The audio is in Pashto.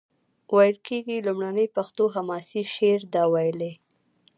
ویل کیږي لومړنی پښتو حماسي شعر ده ویلی.